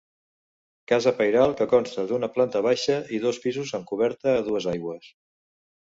Casa pairal que consta d'una planta baixa i dos pisos amb coberta a dues aigües.